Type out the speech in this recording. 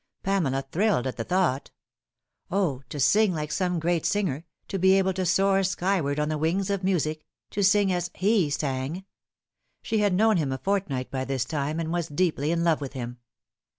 Pamela thrilled at the thought. O, to sing like some great singer to be able to soar skyward on the wings of music to sing as lie sang ! She had known him a fortnight by this time, and was deeply in love with him.